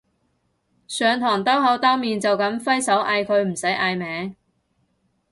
上堂兜口兜面就噉揮手嗌佢唔使嗌名